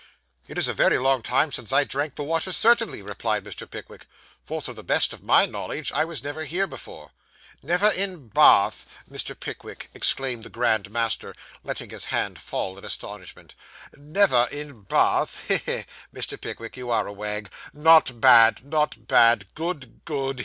'It is a very long time since I drank the waters, certainly,' replied Mr. Pickwick; 'for, to the best of my knowledge, I was never here before.' 'Never in Ba ath, Mr. Pickwick!' exclaimed the Grand Master, letting the hand fall in astonishment. 'Never in Ba ath! He! he! Mr. Pickwick, you are a wag. Not bad, not bad. Good, good.